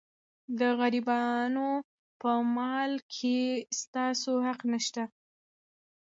د غریبانو په مال کې ستاسو حق نشته.